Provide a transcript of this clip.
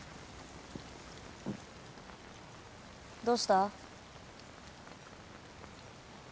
どうした？